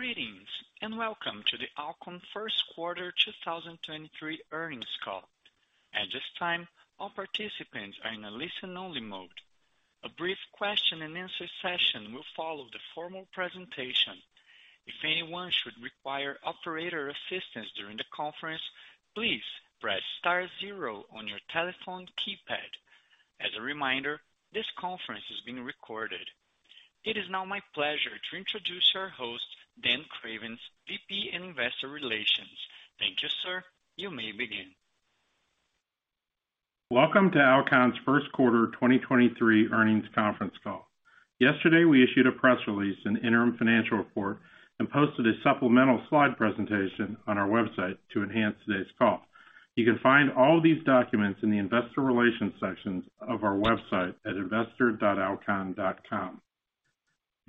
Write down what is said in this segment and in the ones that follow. Greetings. Welcome to the Alcon Q1 2023 earnings call. At this time, all participants are in a listen-only mode. A brief question and answer session will follow the formal presentation. If anyone should require operator assistance during the conference, please press star zero on your telephone keypad. As a reminder, this conference is being recorded. It is now my pleasure to introduce our host, Dan Cravens, VP, Investor Relations. Thank you, sir. You may begin. Welcome to Alcon's Q1 2023 earnings conference call. Yesterday, we issued a press release and interim financial report and posted a supplemental slide presentation on our website to enhance today's call. You can find all these documents in the Investor Relations sections of our website at investor.alcon.com.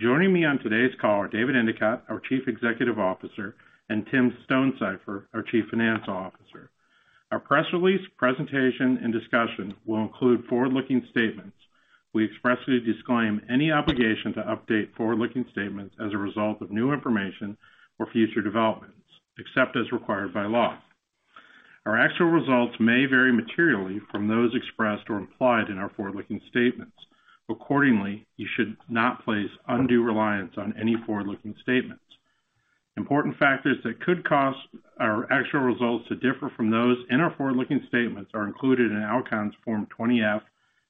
Joining me on today's call are David Endicott, our Chief Executive Officer, and Tim Stonesifer, our Chief Financial Officer. Our press release presentation and discussion will include forward-looking statements. We expressly disclaim any obligation to update forward-looking statements as a result of new information or future developments, except as required by law. Our actual results may vary materially from those expressed or implied in our forward-looking statements. Accordingly, you should not place undue reliance on any forward-looking statements. Important factors that could cause our actual results to differ from those in our forward-looking statements are included in Alcon's Form 20-F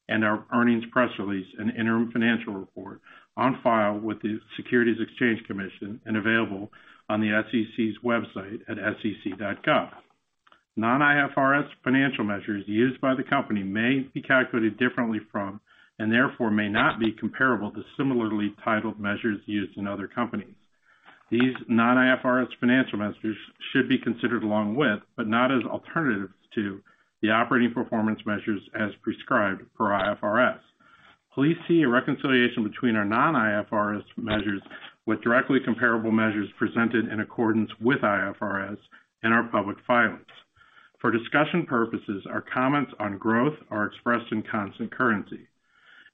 and our earnings press release and interim financial report on file with the Securities and Exchange Commission and available on the SEC's website at sec.gov. Non-IFRS financial measures used by the company may be calculated differently from, and therefore may not be comparable to similarly titled measures used in other companies. These non-IFRS financial measures should be considered along with, but not as alternatives to the operating performance measures as prescribed for IFRS. Please see a reconciliation between our non-IFRS measures with directly comparable measures presented in accordance with IFRS in our public filings. For discussion purposes, our comments on growth are expressed in constant currency.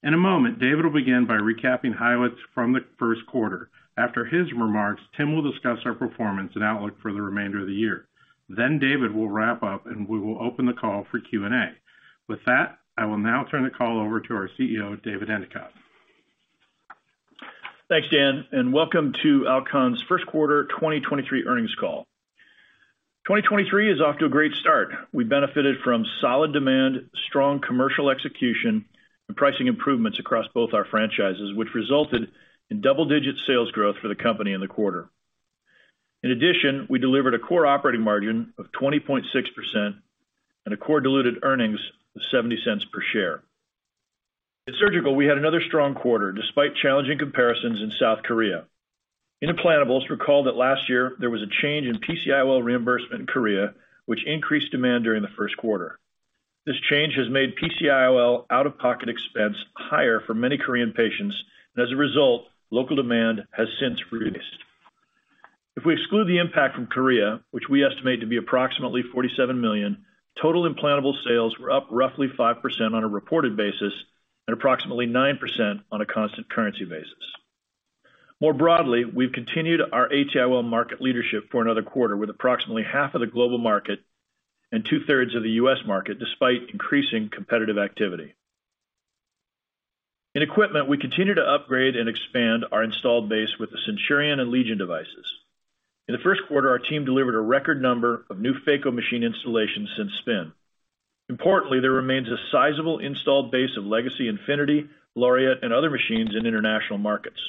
In a moment, David will begin by recapping highlights from the Q1. After his remarks, Tim will discuss our performance and outlook for the remainder of the year. David will wrap up, and we will open the call for Q&A. With that, I will now turn the call over to our CEO, David Endicott. Thanks, Dan, and welcome to Alcon's Q1 2023 earnings call. 2023 is off to a great start. We benefited from solid demand, strong commercial execution, and pricing improvements across both our franchises, which resulted in double-digit sales growth for the company in the quarter. In addition, we delivered a core operating margin of 20.6% and a core diluted earnings of $0.70 per share. In surgical, we had another strong quarter despite challenging comparisons in South Korea. In Implantables, recall that last year there was a change in PC IOL reimbursement in Korea, which increased demand during the Q1. This change has made PC IOL out-of-pocket expense higher for many Korean patients, and as a result, local demand has since reduced. If we exclude the impact from Korea, which we estimate to be approximately $47 million, total implantable sales were up roughly 5% on a reported basis and approximately 9% on a constant currency basis. More broadly, we've continued our AT IOL market leadership for another quarter, with approximately half of the global market and two-thirds of the U.S. market despite increasing competitive activity. In equipment, we continue to upgrade and expand our installed base with the CENTURION and LEGION devices. In the Q1, our team delivered a record number of new phaco machine installations since spin. Importantly, there remains a sizable installed base of legacy INFINITI, LAUREATE, and other machines in international markets.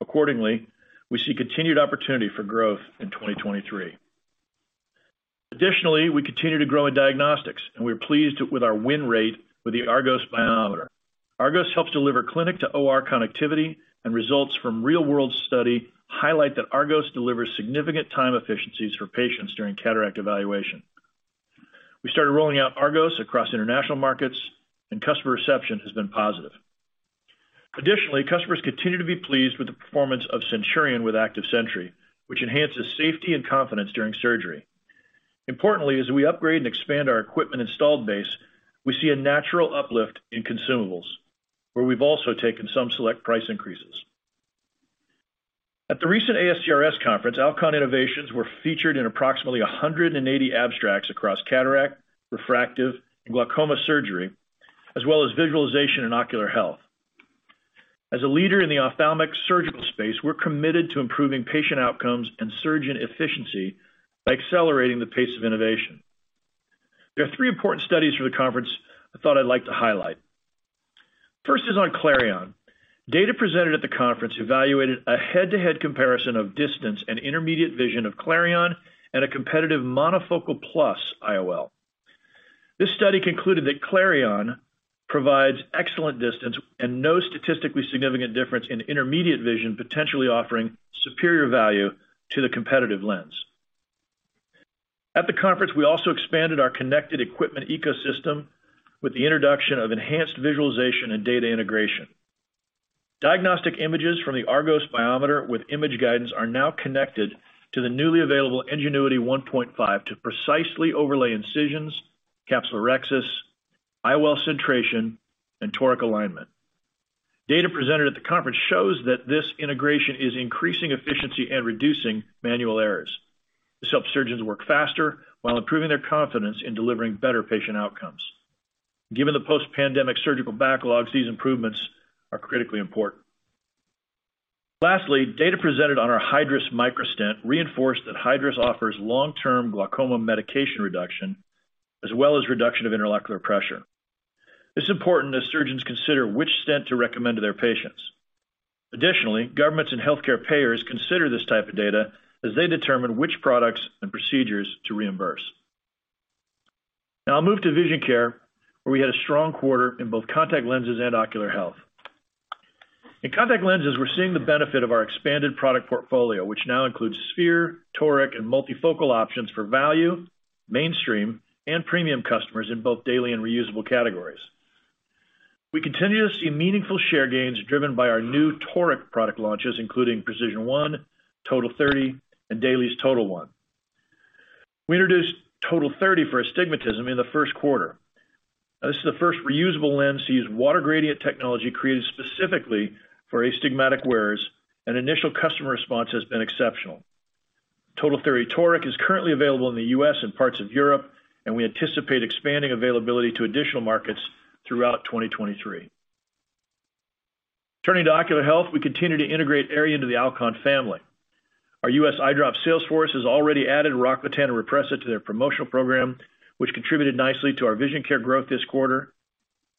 Accordingly, we see continued opportunity for growth in 2023. Additionally, we continue to grow in diagnostics, and we are pleased with our win rate with the ARGOS biometer. ARGOS helps deliver clinic to OR connectivity and results from real-world study highlight that ARGOS delivers significant time efficiencies for patients during cataract evaluation. We started rolling out ARGOS across international markets and customer reception has been positive. Additionally, customers continue to be pleased with the performance of CENTURION with ACTIVE SENTRY, which enhances safety and confidence during surgery. Importantly, as we upgrade and expand our equipment installed base, we see a natural uplift in consumables, where we've also taken some select price increases. At the recent ASCRS conference, Alcon innovations were featured in approximately 180 abstracts across cataract, refractive, and glaucoma surgery, as well as visualization and ocular health. As a leader in the ophthalmic surgical space, we're committed to improving patient outcomes and surgeon efficiency by accelerating the pace of innovation. There are three important studies from the conference I thought I'd like to highlight. First is on Clareon. Data presented at the conference evaluated a head-to-head comparison of distance and intermediate vision of Clareon and a competitive monofocal plus IOL. This study concluded that Clareon provides excellent distance and no statistically significant difference in intermediate vision, potentially offering superior value to the competitive lens. At the conference, we also expanded our connected equipment ecosystem with the introduction of enhanced visualization and data integration. Diagnostic images from the ARGOS biometer with image guidance are now connected to the newly available NGENUITY 1.5 to precisely overlay incisions, capsulorhexis, IOL centration, and toric alignment. Data presented at the conference shows that this integration is increasing efficiency and reducing manual errors. This helps surgeons work faster while improving their confidence in delivering better patient outcomes. Given the post-pandemic surgical backlogs, these improvements are critically important. Lastly, data presented on our Hydrus Microstent reinforced that Hydrus offers long-term glaucoma medication reduction, as well as reduction of intraocular pressure. It's important that surgeons consider which stent to recommend to their patients. Additionally, governments and healthcare payers consider this type of data as they determine which products and procedures to reimburse. Now I'll move to vision care, where we had a strong quarter in both contact lenses and ocular health. In contact lenses, we're seeing the benefit of our expanded product portfolio, which now includes sphere, toric, and multifocal options for value, mainstream, and premium customers in both daily and reusable categories. We continue to see meaningful share gains driven by our new toric product launches, including PRECISION1, TOTAL30, and DAILIES TOTAL1. We introduced TOTAL30 for Astigmatism in the Q1. This is the first reusable lens to use Water Gradient Technology created specifically for astigmatic wearers, and initial customer response has been exceptional. TOTAL30 Toric is currently available in the U.S. and parts of Europe, and we anticipate expanding availability to additional markets throughout 2023. Turning to ocular health, we continue to integrate Aerie into the Alcon family. Our U.S. eye drop sales force has already added Rocklatan and Rhopressa to their promotional program, which contributed nicely to our vision care growth this quarter.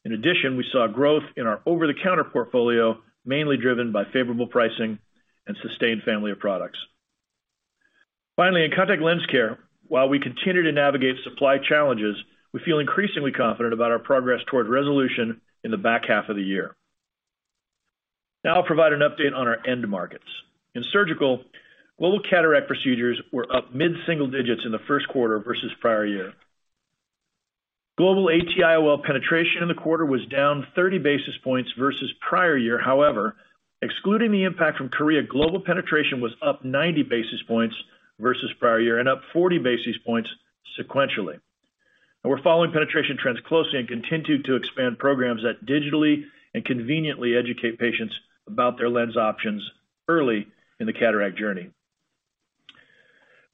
We saw growth in our over-the-counter portfolio, mainly driven by favorable pricing and SYSTANE family of products. In contact lens care, while we continue to navigate supply challenges, we feel increasingly confident about our progress toward resolution in the back half of the year. I'll provide an update on our end markets. In surgical, global cataract procedures were up mid-single digits in the Q1 versus prior year. Global AT-IOL penetration in the quarter was down 30 basis points versus prior year. Excluding the impact from Korea, global penetration was up 90 basis points versus prior year and up 40 basis points sequentially. We're following penetration trends closely and continue to expand programs that digitally and conveniently educate patients about their lens options early in the cataract journey.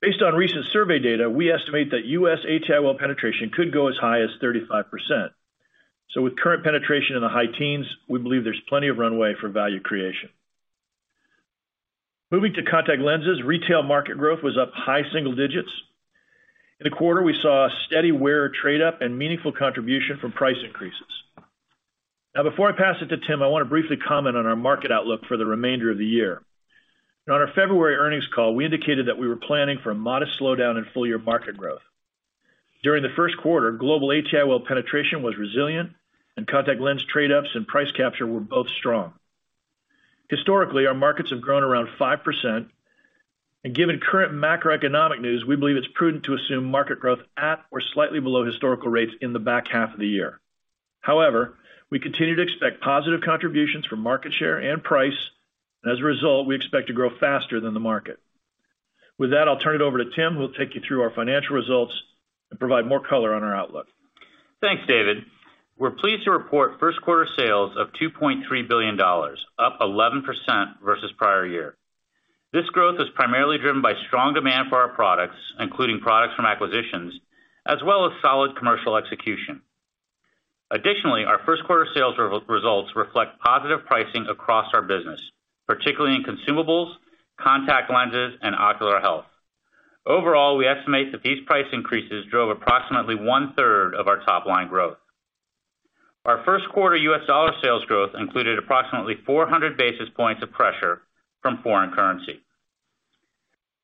Based on recent survey data, we estimate that U.S. AT-IOL penetration could go as high as 35%. With current penetration in the high teens, we believe there's plenty of runway for value creation. Moving to contact lenses, retail market growth was up high single digits. In the quarter, we saw a steady wear trade up and meaningful contribution from price increases. Before I pass it to Tim, I want to briefly comment on our market outlook for the remainder of the year. On our February earnings call, we indicated that we were planning for a modest slowdown in full-year market growth. During the Q1, global AT-IOL penetration was resilient and contact lens trade ups and price capture were both strong. Historically, our markets have grown around 5%. Given current macroeconomic news, we believe it's prudent to assume market growth at or slightly below historical rates in the back half of the year. However, we continue to expect positive contributions from market share and price. As a result, we expect to grow faster than the market. With that, I'll turn it over to Tim, who will take you through our financial results and provide more color on our outlook. Thanks, David. We're pleased to report Q1 sales of $2.3 billion, up 11% versus prior year. This growth is primarily driven by strong demand for our products, including products from acquisitions, as well as solid commercial execution. Our Q1 sales results reflect positive pricing across our business, particularly in consumables, contact lenses, and ocular health. We estimate that these price increases drove approximately one-third of our top line growth. Our Q1 U.S. dollar sales growth included approximately 400 basis points of pressure from foreign currency.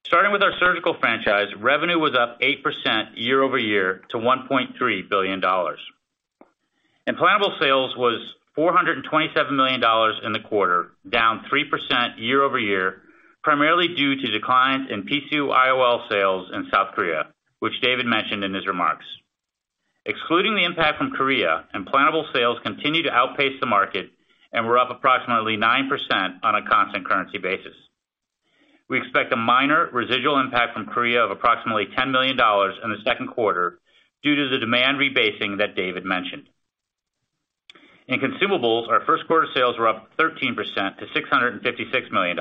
Starting with our surgical franchise, revenue was up 8% year-over-year to $1.3 billion. Implantable sales was $427 million in the quarter, down 3% year-over-year, primarily due to declines in PC IOL sales in South Korea, which David mentioned in his remarks. Excluding the impact from Korea, implantable sales continue to outpace the market and were up approximately 9% on a constant currency basis. We expect a minor residual impact from Korea of approximately $10 million in the Q2 due to the demand rebasing that David mentioned. In consumables, our Q1 sales were up 13% to $656 million.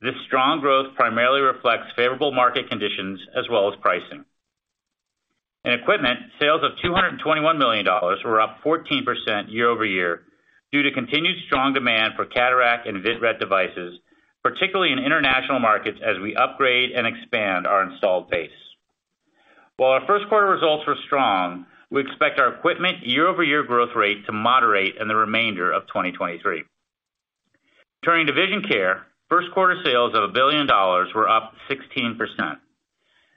This strong growth primarily reflects favorable market conditions as well as pricing. In equipment, sales of $221 million were up 14% year-over-year due to continued strong demand for cataract and Vivity devices, particularly in international markets as we upgrade and expand our installed base. While our Q1 results were strong, we expect our equipment year-over-year growth rate to moderate in the remainder of 2023. Turning to vision care, Q1 sales of $1 billion were up 16%.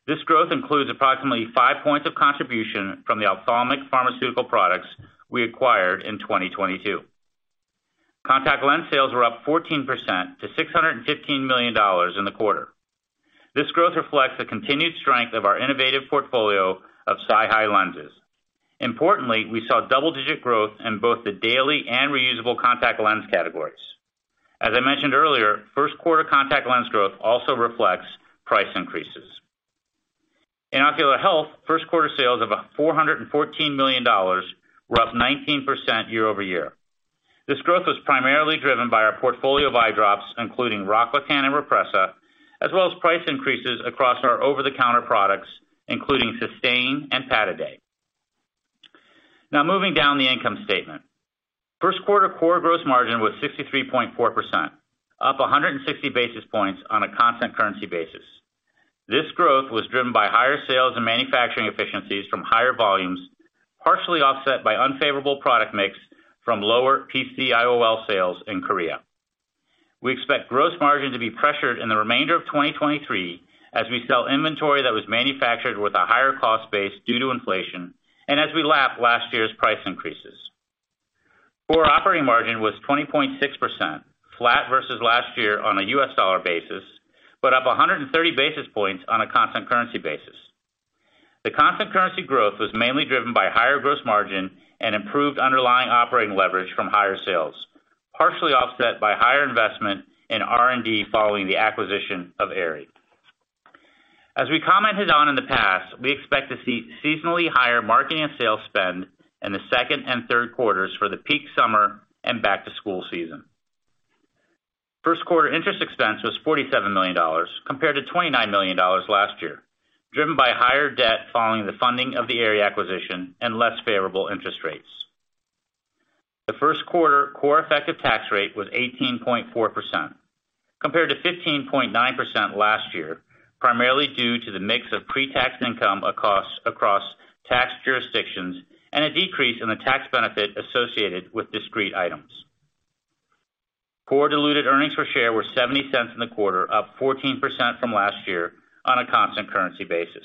This growth includes approximately five points of contribution from the ophthalmic pharmaceutical products we acquired in 2022. Contact lens sales were up 14% to $615 million in the quarter. This growth reflects the continued strength of our innovative portfolio of uncertain. Importantly, we saw double-digit growth in both the daily and reusable contact lens categories. As I mentioned earlier, Q1 contact lens growth also reflects price increases. In ocular health, Q1 sales of $414 million were up 19% year-over-year. This growth was primarily driven by our portfolio of eye drops, including Rocklatan and Rhopressa, as well as price increases across our over-the-counter products, including SYSTANE and Pataday. Now moving down the income statement. Q1 core gross margin was 63.4%, up 160 basis points on a constant currency basis. This growth was driven by higher sales and manufacturing efficiencies from higher volumes, partially offset by unfavorable product mix from lower PC IOL sales in Korea. We expect gross margin to be pressured in the remainder of 2023 as we sell inventory that was manufactured with a higher cost base due to inflation and as we lap last year's price increases. Core operating margin was 20.6%, flat versus last year on a U.S. dollar basis, but up 130 basis points on a constant currency basis. The constant currency growth was mainly driven by higher gross margin and improved underlying operating leverage from higher sales, partially offset by higher investment in R&D following the acquisition of Aerie. As we commented on in the past, we expect to see seasonally higher marketing and sales spend in the 2nd and 3rd quarters for the peak summer and back-to-school season. Q1 interest expense was $47 million compared to $29 million last year, driven by higher debt following the funding of the Aerie acquisition and less favorable interest rates. The Q1 core effective tax rate was 18.4%, compared to 15.9% last year, primarily due to the mix of pre-tax income across tax jurisdictions and a decrease in the tax benefit associated with discrete items. Core diluted earnings per share were $0.70 in the quarter, up 14% from last year on a constant currency basis.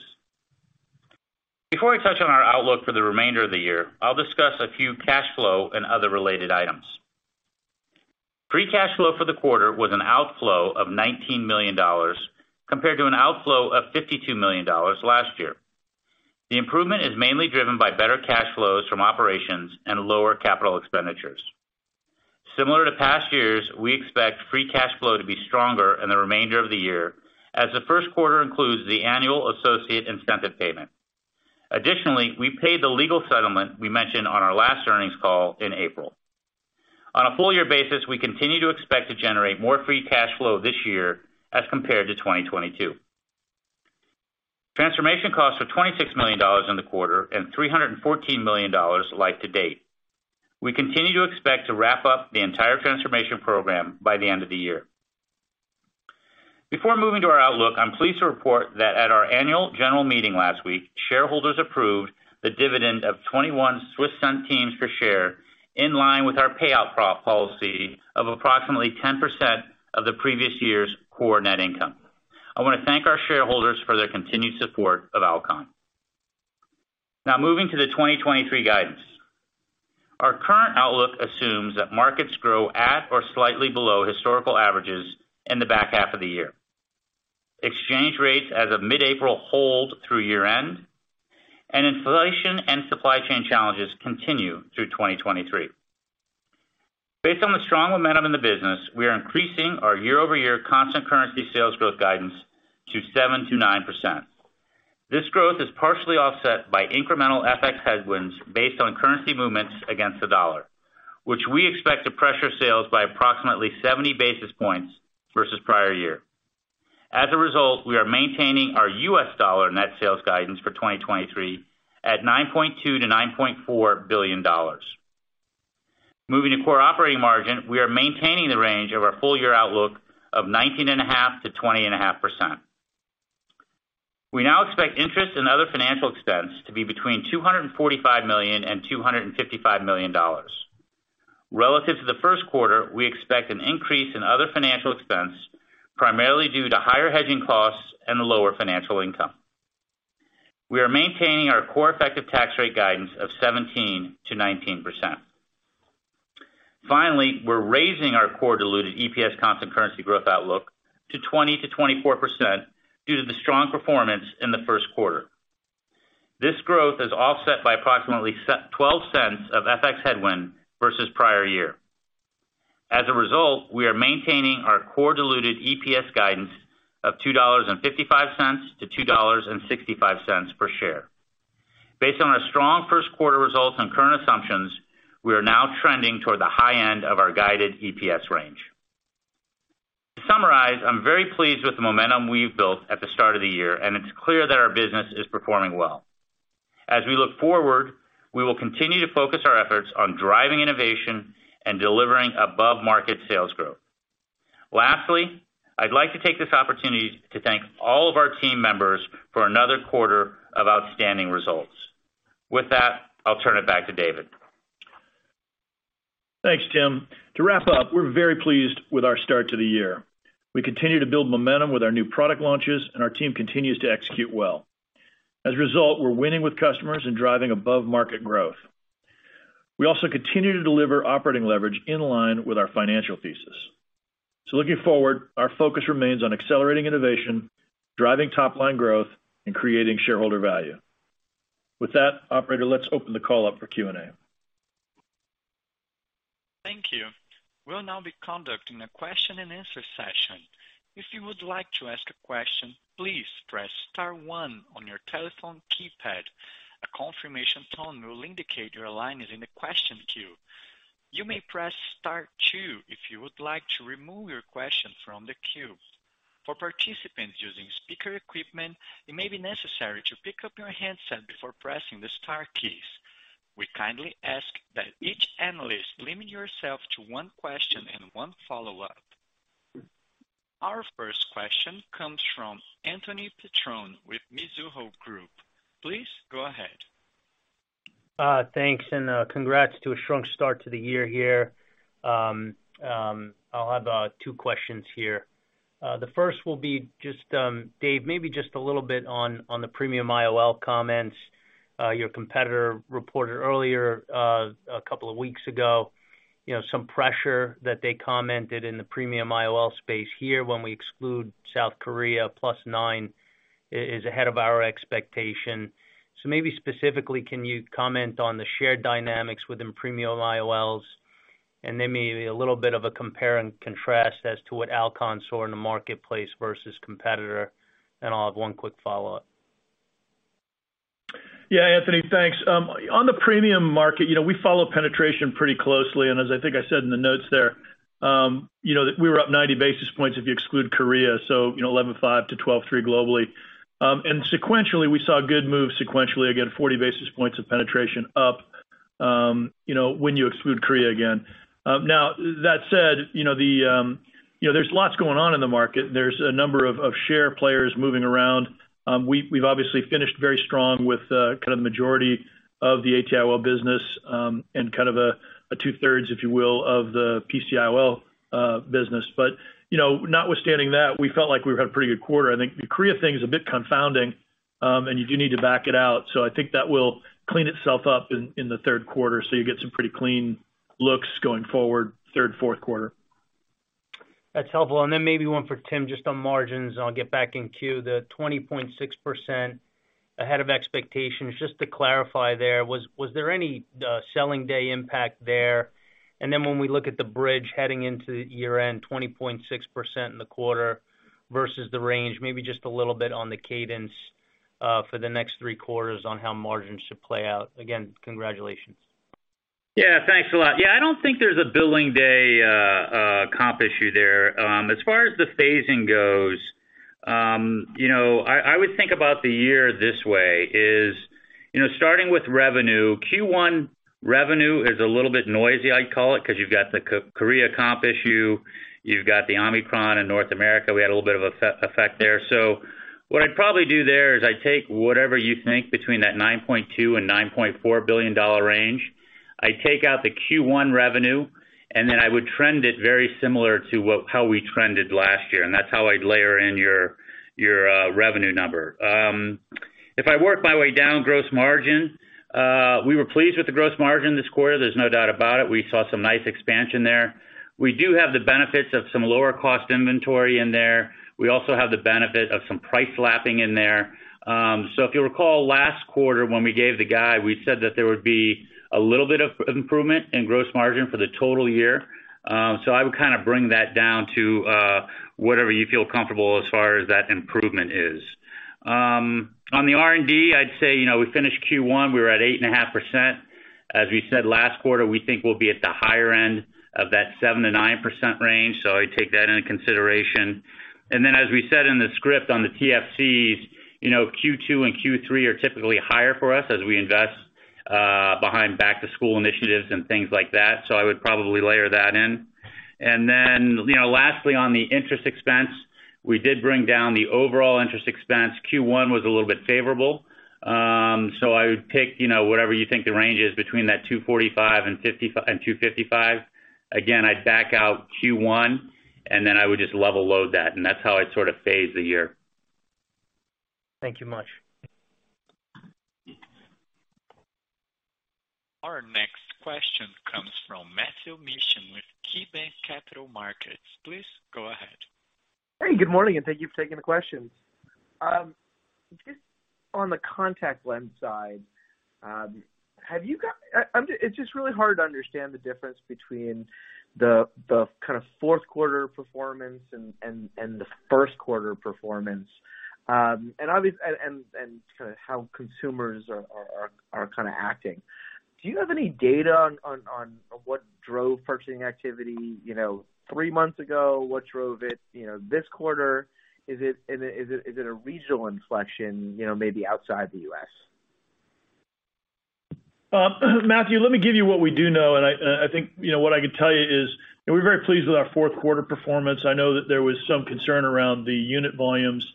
Before I touch on our outlook for the remainder of the year, I'll discuss a few cash flow and other related items. Free cash flow for the quarter was an outflow of $19 million, compared to an outflow of $52 million last year. The improvement is mainly driven by better cash flows from operations and lower capital expenditures. Similar to past years, we expect free cash flow to be stronger in the remainder of the year as the Q1 includes the annual associate incentive payment. We paid the legal settlement we mentioned on our last earnings call in April. On a full year basis, we continue to expect to generate more free cash flow this year as compared to 2022. Transformation costs were $26 million in the quarter and $314 million like to date. We continue to expect to wrap up the entire transformation program by the end of the year. Before moving to our outlook, I'm pleased to report that at our annual general meeting last week, shareholders approved the dividend of 21 Swiss centimes per share, in line with our payout policy of approximately 10% of the previous year's core net income. I wanna thank our shareholders for their continued support of Alcon. Now moving to the 2023 guidance. Our current outlook assumes that markets grow at or slightly below historical averages in the back half of the year. Exchange rates as of mid-April hold through year-end, and inflation and supply chain challenges continue through 2023. Based on the strong momentum in the business, we are increasing our year-over-year constant currency sales growth guidance to 7%-9%. This growth is partially offset by incremental FX headwinds based on currency movements against the U.S. dollar, which we expect to pressure sales by approximately 70 basis points versus prior year. We are maintaining our U.S. dollar net sales guidance for 2023 at $9.2 billion-$9.4 billion. Moving to core operating margin, we are maintaining the range of our full year outlook of 19.5%-20.5%. We now expect interest and other financial expense to be between $245 million and $255 million. Relative to the Q1, we expect an increase in other financial expense, primarily due to higher hedging costs and lower financial income. We are maintaining our core effective tax rate guidance of 17%-19%. Finally, we're raising our core diluted EPS constant currency growth outlook to 20%-24% due to the strong performance in the Q1. This growth is offset by approximately $0.12 of FX headwind versus prior year. As a result, we are maintaining our core diluted EPS guidance of $2.55-$2.65 per share. Based on our strong Q1 results and current assumptions, we are now trending toward the high end of our guided EPS range. To summarize, I'm very pleased with the momentum we've built at the start of the year, and it's clear that our business is performing well. As we look forward, we will continue to focus our efforts on driving innovation and delivering above-market sales growth. Lastly, I'd like to take this opportunity to thank all of our team members for another quarter of outstanding results. With that, I'll turn it back to David. Thanks, Tim. To wrap up, we're very pleased with our start to the year. We continue to build momentum with our new product launches, and our team continues to execute well. As a result, we're winning with customers and driving above-market growth. We also continue to deliver operating leverage in line with our financial thesis. Looking forward, our focus remains on accelerating innovation, driving top-line growth, and creating shareholder value. With that, operator, let's open the call up for Q&A. Thank you. We'll now be conducting a question and answer session. If you would like to ask a question, please press star one on your telephone keypad. A confirmation tone will indicate your line is in the question queue. You may press star two if you would like to remove your question from the queue. For participants using speaker equipment, it may be necessary to pick up your handset before pressing the star keys. We kindly ask that each analyst limit yourself to one question and one follow-up. Our first question comes from Anthony Petrone with Mizuho Securities. Please go ahead. Thanks, and congrats to a strong start to the year here. I'll have two questions here. The first will be just, David, maybe just a little bit on the premium IOL comments. Your competitor reported earlier a couple of weeks ago, you know, some pressure that they commented in the premium IOL space here when we exclude South Korea plus nine is ahead of our expectation. Maybe specifically, can you comment on the shared dynamics within premium IOLs and then maybe a little bit of a compare and contrast as to what Alcon saw in the marketplace versus competitor, and I'll have one quick follow-up. Yeah. Anthony, thanks. On the premium market, you know, we follow penetration pretty closely, as I think I said in the notes there, you know, that we were up 90 basis points if you exclude Korea, so, you know, 11.5 to 12.3 globally. Sequentially, we saw good moves sequentially, again, 40 basis points of penetration up, you know, when you exclude Korea again. That said, you know, the, you know, there's lots going on in the market. There's a number of share players moving around. We've obviously finished very strong with kind of majority of the AT IOL business, and kind of a two-thirds, if you will, of the PC IOL business. You know, notwithstanding that, we felt like we were having a pretty good quarter. I think the Korea thing is a bit confounding, and you do need to back it out. I think that will clean itself up in the Q3, so you get some pretty clean looks going forward, third, Q4. That's helpful. Maybe one for Tim, just on margins, and I'll get back in queue. The 20.6% ahead of expectations, just to clarify there, was there any selling day impact there? When we look at the bridge heading into year-end, 20.6% in the quarter versus the range, maybe just a little bit on the cadence for the next three quarters on how margins should play out? Again, congratulations. Yeah. Thanks a lot. Yeah. I don't think there's a billing day comp issue there. As far as the phasing goes, you know, I would think about the year this way, is, you know, starting with revenue, Q1 revenue is a little bit noisy, I'd call it, because you've got the K-Korea comp issue, you've got the Omicron in North America. We had a little bit of effect there. What I'd probably do there is I take whatever you think between that $9.2 billion-$9.4 billion range. I take out the Q1 revenue, and then I would trend it very similar to what, how we trended last year, and that's how I'd layer in your revenue number. If I work my way down gross margin, we were pleased with the gross margin this quarter. There's no doubt about it. We saw some nice expansion there. We do have the benefits of some lower cost inventory in there. We also have the benefit of some price lapping in there. If you'll recall last quarter when we gave the guide, we said that there would be a little bit of improvement in gross margin for the total year. I would kind of bring that down to whatever you feel comfortable as far as that improvement is. On the R&D, I'd say, you know, we finished Q1, we were at 8.5%. As we said last quarter, we think we'll be at the higher end of that 7%-9% range. I take that into consideration. As we said in the script on the TFCs, you know, Q2 and Q3 are typically higher for us as we invest behind back-to-school initiatives and things like that. I would probably layer that in. Lastly, you know, on the interest expense, we did bring down the overall interest expense. Q1 was a little bit favorable. I would pick, you know, whatever you think the range is between that $245 and $255. Again, I'd back out Q1, and then I would just level load that, and that's how I'd sort of phase the year. Thank you much. Our next question comes from Matthew Mishan with KeyBanc Capital Markets. Please go ahead. Hey, good morning. Thank you for taking the question. Just on the contact lens side, it's just really hard to understand the difference between the kind of Q4 performance and the Q1 performance. Kind of how consumers are kind of acting. Do you have any data on what drove purchasing activity, you know, three months ago? What drove it, you know, this quarter? Is it a regional inflection, you know, maybe outside the U.S.? Matthew, let me give you what we do know, and I think, you know, what I can tell you is that we're very pleased with our Q4 performance. I know that there was some concern around the unit volumes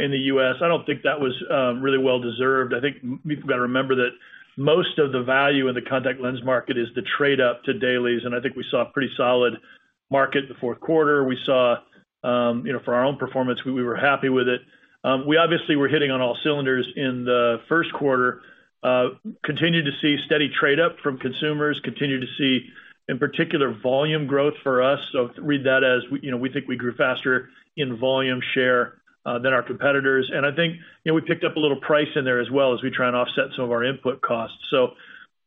in the U.S. I don't think that was really well deserved. I think we've got to remember that most of the value in the contact lens market is the trade up to dailies, and I think we saw a pretty solid market in the Q4. We saw, you know, for our own performance, we were happy with it. We obviously were hitting on all cylinders in the Q1. Continued to see steady trade up from consumers, continued to see, in particular, volume growth for us. Read that as, you know, we think we grew faster in volume share than our competitors. I think, you know, we picked up a little price in there as well as we try and offset some of our input costs.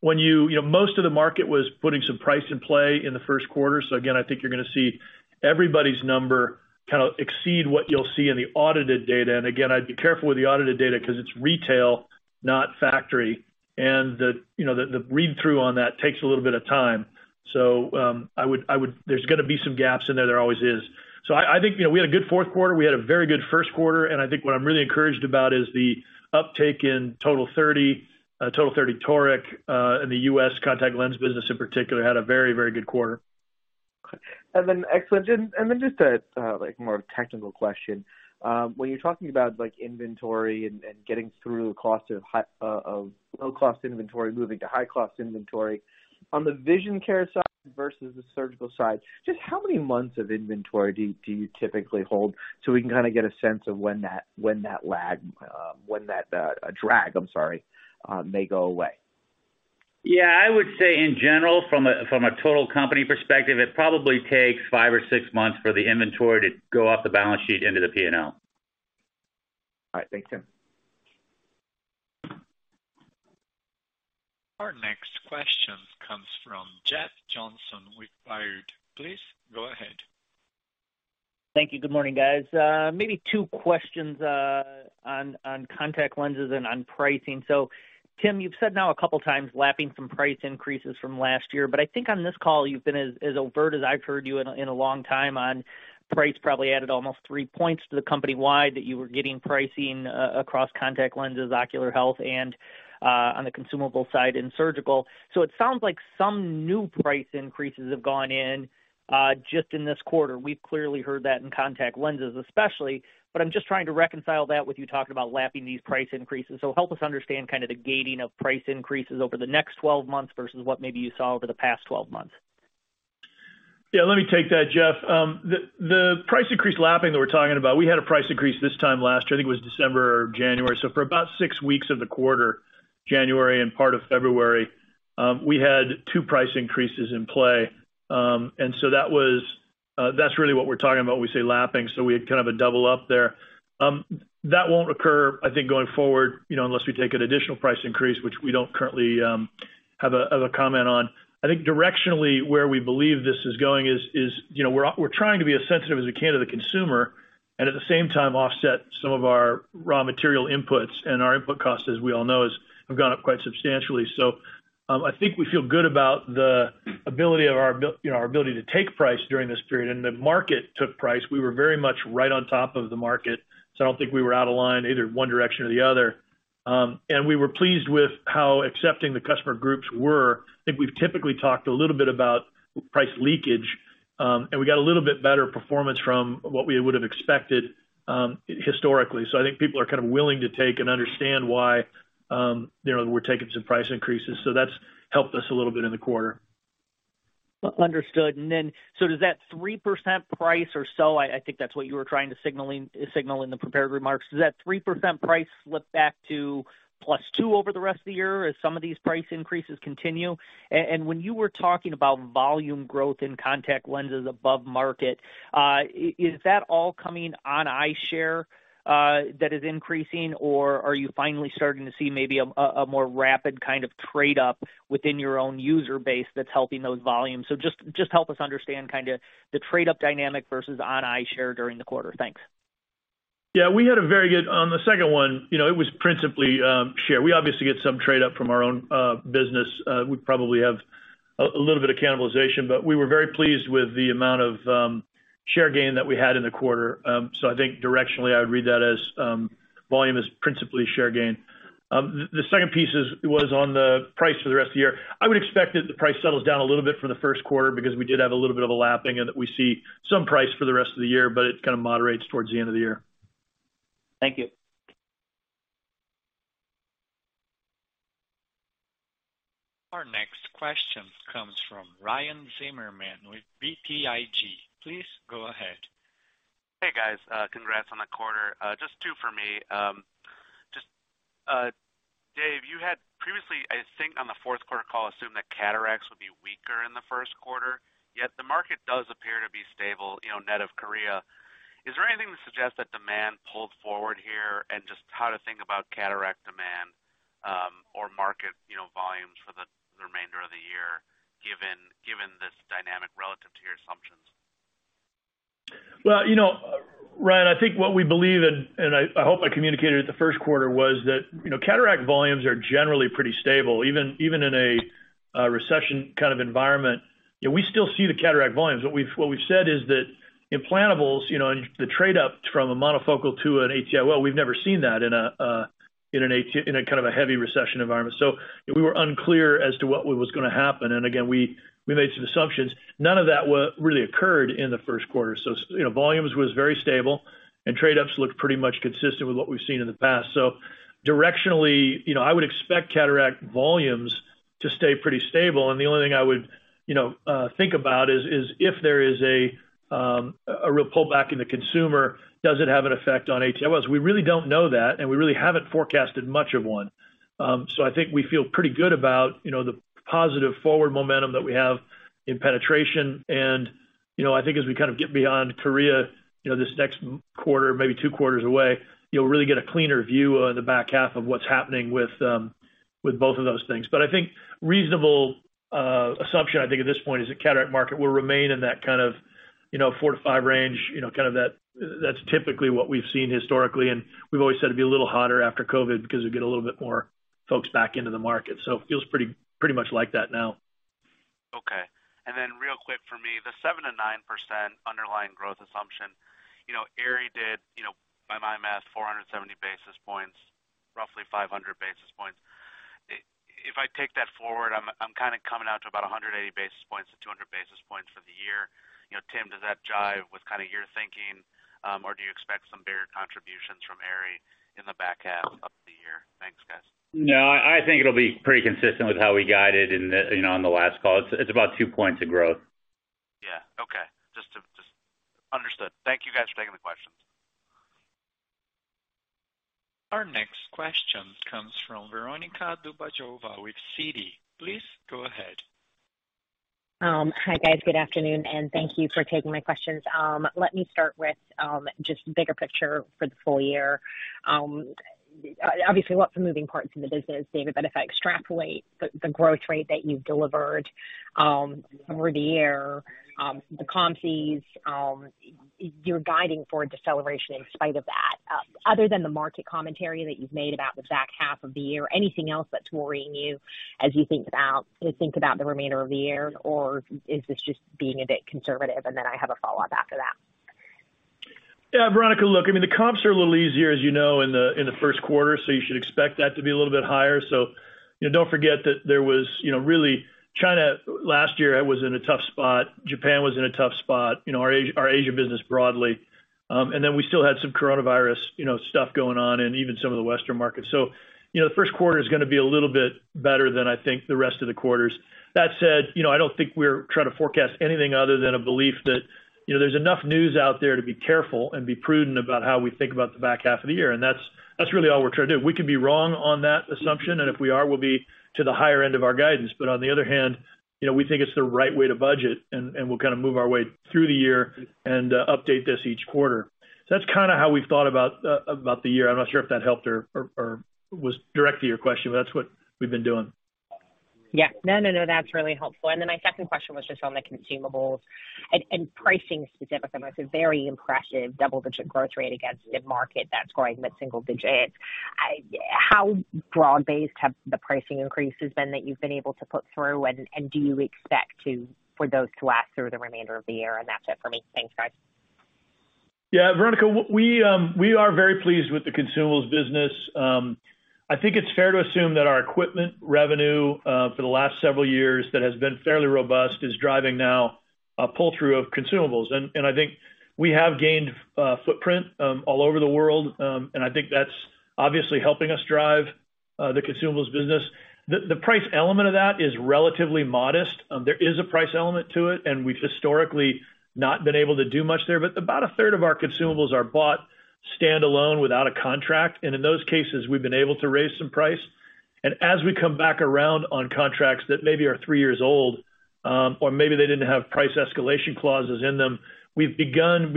Most of the market was putting some price in play in the Q1. Again, I think you're going to see everybody's number kind of exceed what you'll see in the audited data. Again, I'd be careful with the audited data because it's retail, not factory. The, you know, the read-through on that takes a little bit of time. There's going to be some gaps in there. There always is. I think we had a good Q4. We had a very good Q1. I think what I'm really encouraged about is the uptake in TOTAL30 toric, in the U.S. contact lens business in particular, had a very, very good quarter. excellent. just a more technical question? When you're talking about inventory and getting through the cost of low-cost inventory, moving to high-cost inventory. On the vision care side versus the surgical side, just how many months of inventory do you typically hold so we can kind of get a sense of when that lag, when that drag, I'm sorry, may go away? Yeah, I would say in general, from a total company perspective, it probably takes five or six months for the inventory to go off the balance sheet into the P&L. All right. Thanks, Tim. Our next question comes from Jeff Johnson with Baird. Please go ahead. Thank you. Good morning, guys. Maybe two questions on contact lenses and on pricing. Tim, you've said now a couple of times, lapping some price increases from last year, but I think on this call you've been as overt as I've heard you in a long time on price probably added almost three points to the company-wide that you were getting pricing across contact lenses, ocular health, and on the consumable side in surgical. It sounds like some new price increases have gone in just in this quarter. We've clearly heard that in contact lenses especially, but I'm just trying to reconcile that with you talking about lapping these price increases. Help us understand kind of the gating of price increases over the next 12 months versus what maybe you saw over the past 12 months. Yeah, let me take that, Jeff. The price increase lapping that we're talking about, we had a price increase this time last year, I think it was December or January. For about six weeks of the quarter, January and part of February, we had two price increases in play. That's really what we're talking about when we say lapping. We had kind of a double up there. That won't occur, I think going forward, you know, unless we take an additional price increase, which we don't currently have a comment on. I think directionally where we believe this is going is, you know, we're trying to be as sensitive as we can to the consumer and at the same time offset some of our raw material inputs. Our input costs, as we all know, is have gone up quite substantially. I think we feel good about the ability of our you know, our ability to take price during this period, and the market took price. We were very much right on top of the market, I don't think we were out of line either one direction or the other. We were pleased with how accepting the customer groups were. I think we've typically talked a little bit about price leakage, we got a little bit better performance from what we would have expected historically. I think people are kind of willing to take and understand why, you know, we're taking some price increases. That's helped us a little bit in the quarter. Understood. Does that 3% price or so, I think that's what you were trying to signal in the prepared remarks, flip back to +2 over the rest of the year as some of these price increases continue? When you were talking about volume growth in contact lenses above market, is that all coming on eye share that is increasing or are you finally starting to see maybe a more rapid kind of trade up within your own user base that's helping those volumes? Just help us understand kind of the trade up dynamic versus on eye share during the quarter. Thanks. We had a very good on the second one, you know, it was principally share. We obviously get some trade up from our own business. We probably have a little bit of cannibalization, but we were very pleased with the amount of share gain that we had in the quarter. I think directionally, I would read that as volume is principally share gain. The second piece is, was on the price for the rest of the year. I would expect that the price settles down a little bit for the Q1 because we did have a little bit of a lapping and that we see some price for the rest of the year, but it kind of moderates towards the end of the year. Thank you. Our next question comes from Ryan Zimmerman with BTIG. Please go ahead. Hey, guys. Congrats on the quarter. Just two for me. Just, Dave, you had previously, I think, on the Q4 call, assumed that cataracts would be weaker in the Q1, yet the market does appear to be stable, you know, net of Korea. Is there anything to suggest that demand pulled forward here and just how to think about cataract demand, or market, you know, volumes for the remainder of the year, given this dynamic relative to your assumptions? Well, you know, Ryan, I think what we believe, and I hope I communicated at the Q1, was that, you know, cataract volumes are generally pretty stable. Even in a recession kind of environment, we still see the cataract volumes. What we've said is that implantables, you know, the trade up from a monofocal to an ATL, we've never seen that in a kind of a heavy recession environment. We were unclear as to what was gonna happen. Again, we made some assumptions. None of that really occurred in the Q1. You know, volumes was very stable and trade ups looked pretty much consistent with what we've seen in the past. Directionally, you know, I would expect cataract volumes to stay pretty stable. The only thing I would, you know, think about is if there is a real pullback in the consumer, does it have an effect on AT IOLs? We really don't know that, and we really haven't forecasted much of one. I think we feel pretty good about, you know, the positive forward momentum that we have in penetration. You know, I think as we kind of get beyond Korea, you know, this next quarter, maybe two quarters away, you'll really get a cleaner view on the back half of what's happening with both of those things. I think reasonable assumption, I think at this point, is the cataract market will remain in that kind of, you know, 4%-5% range, you know. That's typically what we've seen historically, and we've always said it'd be a little hotter after COVID because we get a little bit more folks back into the market. It feels pretty much like that now. Okay. Real quick for me, the 7%-9% underlying growth assumption, you know, Aerie did, if my math, 470 basis points, roughly 500 basis points. If I take that forward, I'm kinda coming out to about 180 basis points-200 basis points for the year. You know, Tim, does that jive with kinda your thinking, or do you expect some bigger contributions from Aerie in the back half of the year? Thanks, guys. No, I think it'll be pretty consistent with how we guided in the, you know, in the last call. It's about two points of growth. Yeah. Okay. Understood. Thank you, guys, for taking the questions. Our next question comes from Veronika Dubajova with Citi. Please go ahead. Hi, guys. Good afternoon. Thank you for taking my questions. Let me start with just bigger picture for the full year. Obviously lots of moving parts in the business, David, if I extrapolate the growth rate that you've delivered over the year, the comps is, you're guiding for a deceleration in spite of that. Other than the market commentary that you've made about the back half of the year, anything else that's worrying you as you think about the remainder of the year, or is this just being a bit conservative? I have a follow-up after that. Veronika. I mean, the comps are a little easier, as you know, in the Q1, you should expect that to be a little bit higher. You know, don't forget that there was, you know, really China last year was in a tough spot. Japan was in a tough spot. You know, our Asia business broadly. We still had some coronavirus, you know, stuff going on and even some of the Western markets. You know, the Q1 is gonna be a little bit better than I think the rest of the quarters. That said, you know, I don't think we're trying to forecast anything other than a belief that, you know, there's enough news out there to be careful and be prudent about how we think about the back half of the year. That's really all we're trying to do. We could be wrong on that assumption, and if we are, we'll be to the higher end of our guidance. On the other hand, you know, we think it's the right way to budget and we'll kind of move our way through the year and update this each quarter. That's kind of how we've thought about the year. I'm not sure if that helped or was direct to your question, but that's what we've been doing. Yeah. No, no, that's really helpful. My second question was just on the consumables and pricing specifically. It's a very impressive double-digit growth rate against the market that's growing at single digits. How broad-based have the pricing increases been that you've been able to put through, and do you expect for those to last through the remainder of the year? That's it for me. Thanks, guys. Yeah. Veronika, we are very pleased with the consumables business. I think it's fair to assume that our equipment revenue, for the last several years that has been fairly robust, is driving now a pull-through of consumables. I think we have gained footprint all over the world. I think that's obviously helping us drive the consumables business. The price element of that is relatively modest. There is a price element to it, and we've historically not been able to do much there. About a third of our consumables are bought standalone without a contract, and in those cases, we've been able to raise some price. As we come back around on contracts that maybe are three years old, or maybe they didn't have price escalation clauses in them, we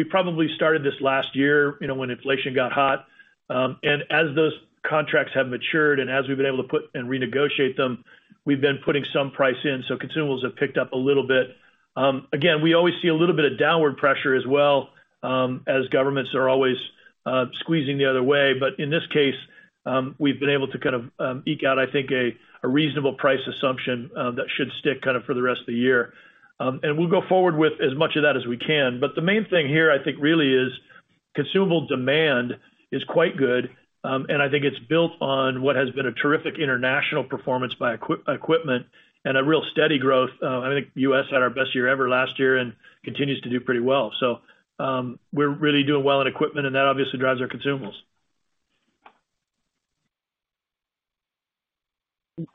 probably started this last year when inflation got hot. As those contracts have matured and as we've been able to put and renegotiate them, we've been putting some price in. Consumables have picked up a little bit. Again, we always see a little bit of downward pressure as well, as governments are always squeezing the other way. In this case, we've been able to kind of eke out, I think a reasonable price assumption that should stick kind of for the rest of the year. We'll go forward with as much of that as we can. The main thing here, I think, really is consumable demand is quite good, and I think it's built on what has been a terrific international performance by equipment and a real steady growth. I think U.S. had our best year ever last year and continues to do pretty well. We're really doing well in equipment, and that obviously drives our consumables.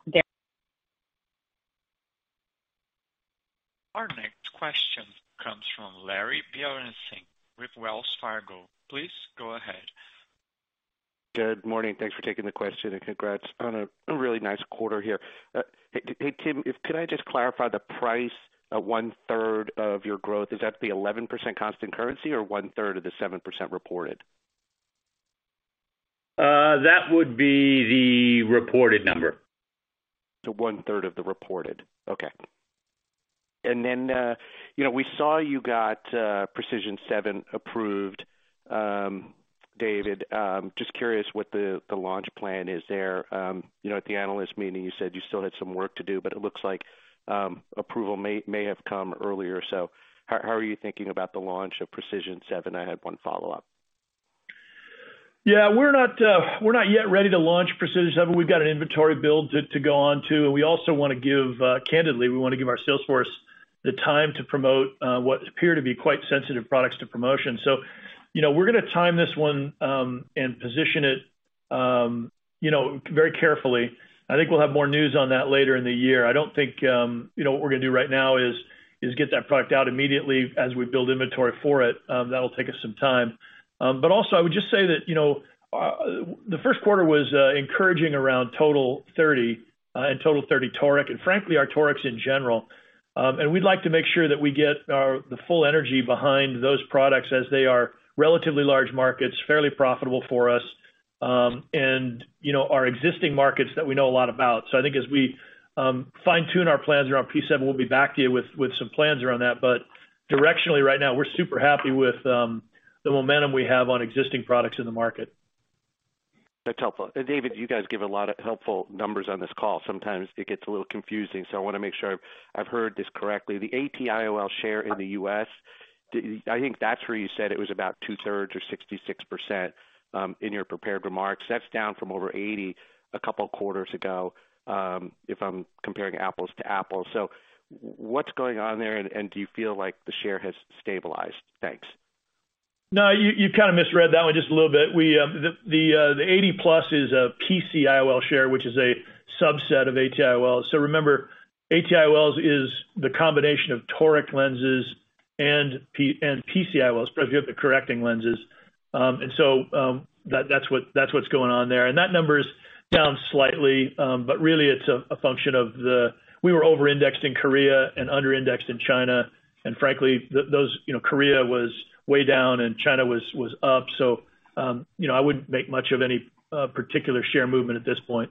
There- Our next question comes from Larry Biegelsen with Wells Fargo. Please go ahead. Good morning. Thanks for taking the question, and congrats on a really nice quarter here. Hey, Tim, can I just clarify the price of one-third of your growth? Is that the 11% constant currency or one-third of the 7% reported? That would be the reported number. The one-third of the reported. Okay. You know, we saw you got PRECISION7 approved, David. Just curious what the launch plan is there. You know, at the analyst meeting, you said you still had some work to do, but it looks like approval may have come earlier. How are you thinking about the launch of PRECISION7? I had one follow-up. Yeah. We're not yet ready to launch Precision 7. We've got an inventory build to go on to. We also wanna give, candidly, we wanna give our sales force the time to promote what appear to be quite sensitive products to promotion. You know, we're gonna time this one and position it, you know, very carefully. I think we'll have more news on that later in the year. I don't think, you know, what we're gonna do right now is get that product out immediately as we build inventory for it. That'll take us some time. Also I would just say that, you know, the Q1 was encouraging around TOTAL30 and TOTAL30 toric, and frankly, our torics in general. We'd like to make sure that we get our, the full energy behind those products as they are relatively large markets, fairly profitable for us, and, you know, our existing markets that we know a lot about. I think as we fine-tune our plans around PRECISION7, we'll be back to you with some plans around that. Directionally right now, we're super happy with the momentum we have on existing products in the market. David, you guys give a lot of helpful numbers on this call. Sometimes it gets a little confusing, so I wanna make sure I've heard this correctly. The AT IOL share in the U.S., I think that's where you said it was about two-thirds or 66% in your prepared remarks. That's down from over 80% a couple of quarters ago, if I'm comparing apples to apples. What's going on there, and do you feel like the share has stabilized? Thanks. No, you kind of misread that one just a little bit. We, the 80+ is a PC IOL share, which is a subset of AT IOL. Remember, AT IOLs is the combination of toric lenses and PC IOLs, if you have the correcting lenses. That's what's going on there. That number is down slightly, but really it's a function of the... We were over-indexed in Korea and under-indexed in China. Frankly, those, you know, Korea was way down and China was up. You know, I wouldn't make much of any particular share movement at this point.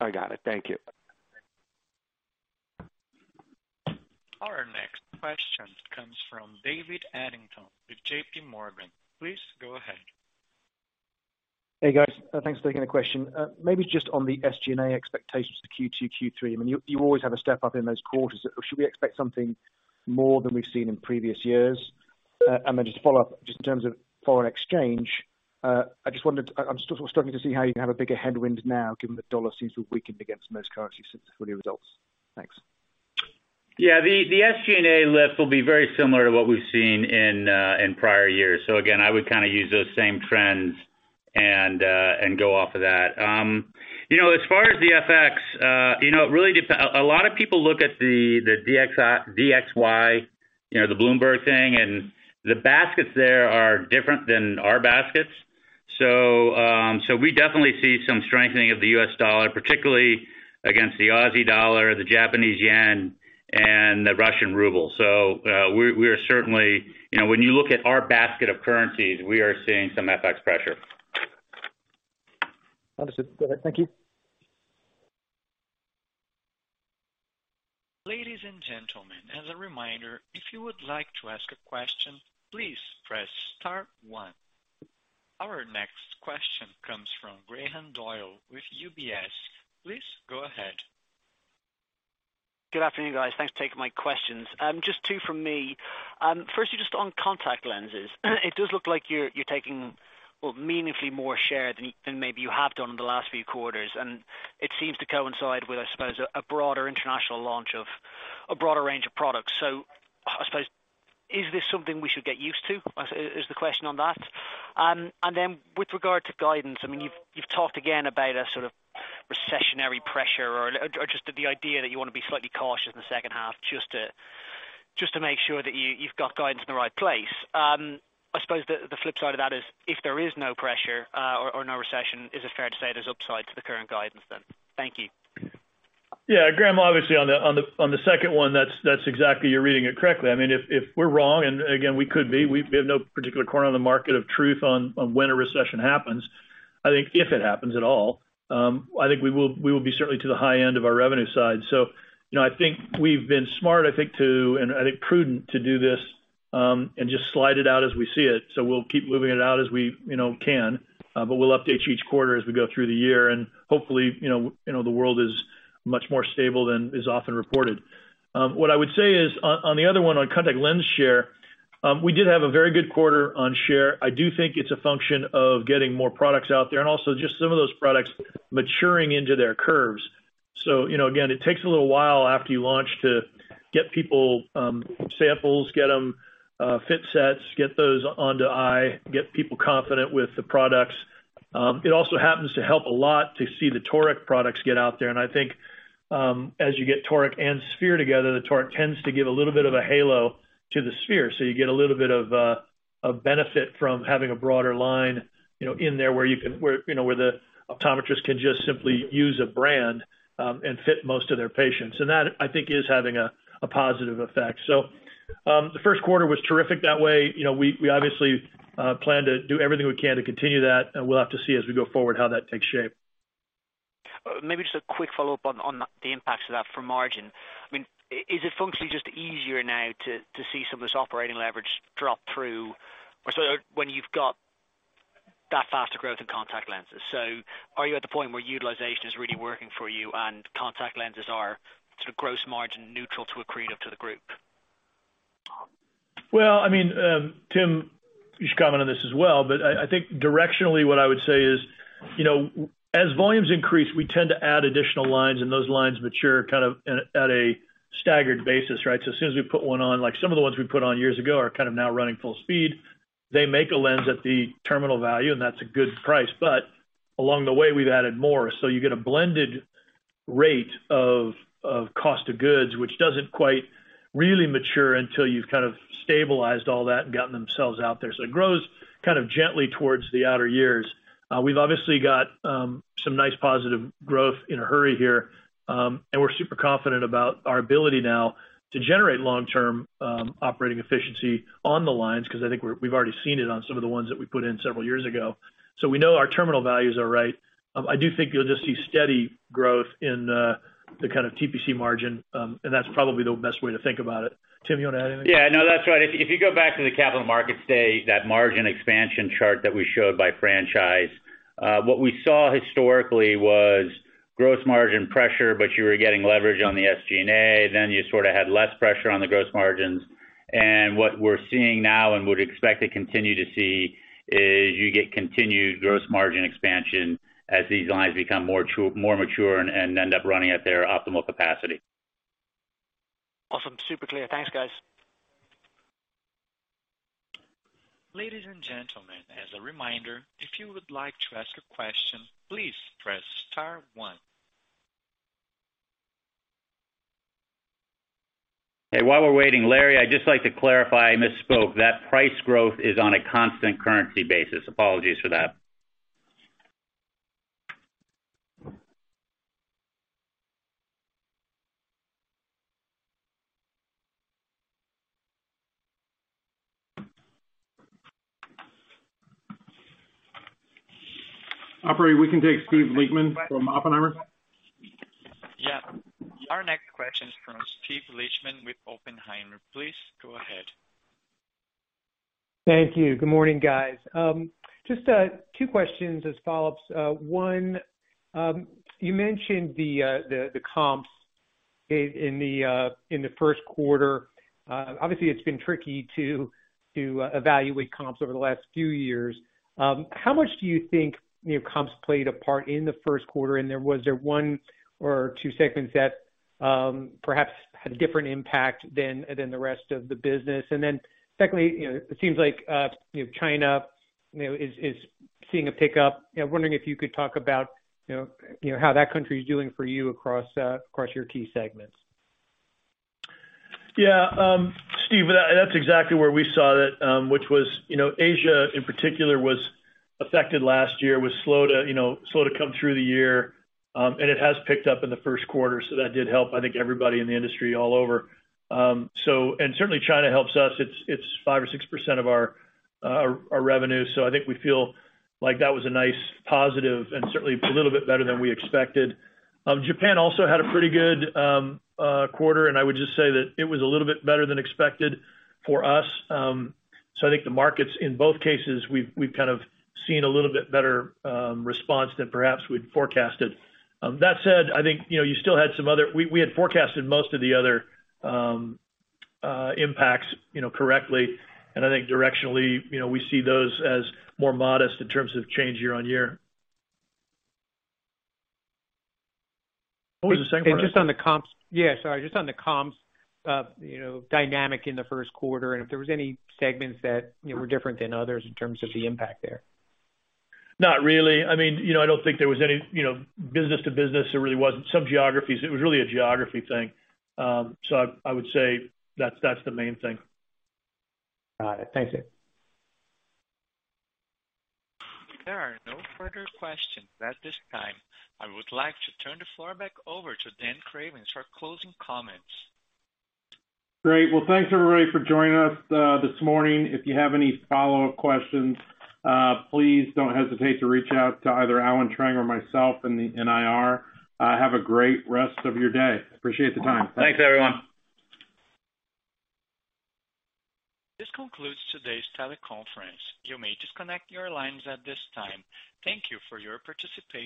I got it. Thank you. Our next question comes from David Adlington with J.P. Morgan. Please go ahead. Hey, guys. Thanks for taking the question. Maybe just on the SG&A expectations for Q2, Q3. I mean, you always have a step up in those quarters. Should we expect something more than we've seen in previous years? Just to follow up, just in terms of foreign exchange, I just wondered, I'm still struggling to see how you can have a bigger headwind now given the US dollar seems to have weakened against most currencies since the fully results. Thanks. Yeah, the SG&A lift will be very similar to what we've seen in prior years. Again, I would kind of use those same trends and go off of that. You know, as far as the FX, you know, a lot of people look at the DXY, you know, the Bloomberg thing, and the baskets there are different than our baskets. We definitely see some strengthening of the US dollar, particularly against the Aussie dollar, the Japanese yen, and the Russian ruble. We are certainly. You know, when you look at our basket of currencies, we are seeing some FX pressure. Understood. Go ahead. Thank you. Ladies and gentlemen, as a reminder, if you would like to ask a question, please press star one. Our next question comes from Graham Doyle with UBS. Please go ahead. Good afternoon, guys. Thanks for taking my questions. Just two from me. Firstly, just on contact lenses. It does look like you're taking, well, meaningfully more share than maybe you have done in the last few quarters. It seems to coincide with, I suppose, a broader international launch of a broader range of products. I suppose, is this something we should get used to, is the question on that? Then with regard to guidance, I mean, you've talked again about a sort of recessionary pressure or just the idea that you wanna be slightly cautious in the H2 just to make sure that you've got guidance in the right place. I suppose the flip side of that is if there is no pressure, or no recession, is it fair to say there's upside to the current guidance then? Thank you. Yeah, Graham, obviously on the second one, that's exactly, you're reading it correctly. I mean, if we're wrong, and again, we could be, we've no particular corner on the market of truth on when a recession happens, I think if it happens at all, I think we will be certainly to the high end of our revenue side. You know, I think we've been smart, I think, to, and I think prudent to do this, and just slide it out as we see it. We'll keep moving it out as we, you know, can, we'll update you each quarter as we go through the year. Hopefully, you know, the world is much more stable than is often reported. What I would say is on the other one, on contact lens share, we did have a very good quarter on share. I do think it's a function of getting more products out there and also just some of those products maturing into their curves. You know, again, it takes a little while after you launch to get people samples, get them fit sets, get those onto eye, get people confident with the products. It also happens to help a lot to see the toric products get out there. I think, as you get toric and sphere together, the toric tends to give a little bit of a halo to the sphere. You get a little bit of benefit from having a broader line, you know, in there where you can, where, you know, where the optometrists can just simply use a brand and fit most of their patients. That, I think, is having a positive effect. The Q1 was terrific that way. You know, we obviously plan to do everything we can to continue that, and we'll have to see as we go forward how that takes shape. Maybe just a quick follow-up on the impacts of that for margin. I mean, is it functionally just easier now to see some of this operating leverage drop through, or sort of when you've got that faster growth in contact lenses? Are you at the point where utilization is really working for you and contact lenses are sort of gross margin neutral to accretive to the group? Well, I mean, Tim, you should comment on this as well, but I think directionally what I would say is, you know, as volumes increase, we tend to add additional lines, and those lines mature kind of at a staggered basis, right? As soon as we put one on, like some of the ones we put on years ago are kind of now running full speed. They make a lens at the terminal value, and that's a good price. Along the way, we've added more. You get a blended rate of cost of goods, which doesn't quite really mature until you've kind of stabilized all that and gotten themselves out there. It grows kind of gently towards the outer years. We've obviously got some nice positive growth in a hurry here. We're super confident about our ability now to generate long-term operating efficiency on the lines, 'cause I think we've already seen it on some of the ones that we put in several years ago. We know our terminal values are right. I do think you'll just see steady growth in the kind of TPC margin, that's probably the best way to think about it. Tim, you wanna add anything? Yeah, no, that's right. If you go back to the Capital Markets Day, that margin expansion chart that we showed by franchise, what we saw historically was gross margin pressure, but you were getting leverage on the SG&A, you sort of had less pressure on the gross margins. What we're seeing now and would expect to continue to see is you get continued gross margin expansion as these lines become more mature and end up running at their optimal capacity. Awesome. Super clear. Thanks, guys. Ladies and gentlemen, as a reminder, if you would like to ask a question, please press star one. While we're waiting, Larry, I'd just like to clarify, I misspoke. That price growth is on a constant currency basis. Apologies for that. Operator, we can take Steve Lichtman from Oppenheimer. Yeah. Our next question is from Steve Lichtman with Oppenheimer. Please go ahead. Thank you. Good morning, guys. Just two questions as follow-ups. One, you mentioned the comps in the Q1. Obviously, it's been tricky to evaluate comps over the last few years. How much do you think, you know, comps played a part in the Q1? Was there one or two segments that perhaps had a different impact than the rest of the business? Secondly, you know, it seems like, you know, China, you know, is seeing a pickup. You know, wondering if you could talk about, you know, how that country is doing for you across your key segments. Yeah, Steve, that's exactly where we saw that, which was, you know, Asia in particular was affected last year, was slow to come through the year. It has picked up in the Q1, so that did help, I think, everybody in the industry all over. Certainly China helps us. It's 5% or 6% of our revenue. I think we feel like that was a nice positive and certainly a little bit better than we expected. Japan also had a pretty good quarter, I would just say that it was a little bit better than expected for us. I think the markets in both cases, we've kind of seen a little bit better response than perhaps we'd forecasted. That said, I think, you know, you still had some other, we had forecasted most of the other impacts, you know, correctly. I think directionally, you know, we see those as more modest in terms of change year-on-year. What was the second part? Just on the comps. Yeah, sorry. Just on the comps, you know, dynamic in the Q1, and if there was any segments that, you know, were different than others in terms of the impact there. Not really. I mean, you know, I don't think there was any, you know, business to business, there really wasn't. Some geographies. It was really a geography thing. I would say that's the main thing. Got it. Thank you. There are no further questions at this time. I would like to turn the floor back over to Dan Cravens for closing comments. Great. Well, thanks, everybody, for joining us this morning. If you have any follow-up questions, please don't hesitate to reach out to either Alen Trang or myself in the IR. Have a great rest of your day. Appreciate the time. Thanks, everyone. This concludes today's teleconference. You may disconnect your lines at this time. Thank you for your participation.